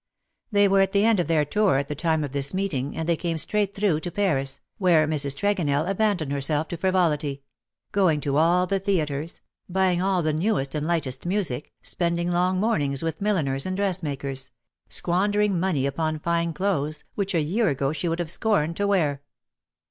They were at the end of their tour at the time of this meeting, and they came straight through to Paris, where Mrs. Tregonell abandoned herself to frivolity — going to all the theatres — buying all the newest and lightest music, spending long moraings . with milliners and dressmakers — squandering money upon fine clothes, which a year ago she would have scorned to wear.